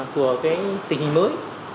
của cái tình hình mới